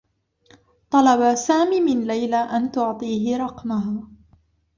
طلب سامي من ليلى أن تعطيه رقمها.